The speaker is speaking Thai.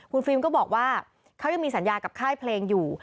คุณฟิล์มก็บอกว่าเขายังมีสัญญากับค่ายเพลงอยู่